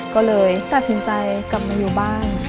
ก็เลยตัดสินใจกลับมาอยู่บ้าน